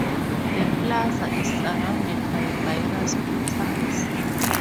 The plaza is surrounded by various portals.